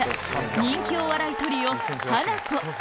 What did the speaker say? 人気お笑いトリオハナコ